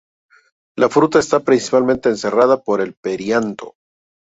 La fruta está principalmente encerrada por el perianto.